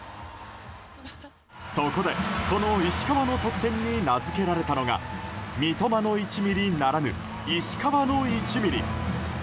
そこでこの石川の得点に名付けられたのが三笘の１ミリならぬ石川の１ミリ。